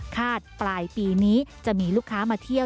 ปลายปีนี้จะมีลูกค้ามาเที่ยว